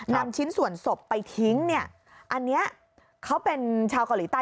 นำชิ้นส่วนศพไปทิ้งเนี่ยอันนี้เขาเป็นชาวเกาหลีใต้